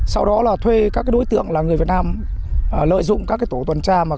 sau đó là thuê các đối tượng là người việt nam lợi dụng các tổ tuần tra